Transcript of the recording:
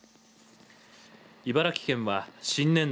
茨城県は新年度